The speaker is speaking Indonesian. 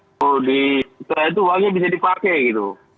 setelah itu uangnya bisa dipakai gitu